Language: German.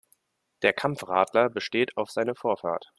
Der Kampfradler besteht auf seine Vorfahrt.